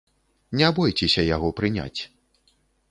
Не бойцеся яго прыняць!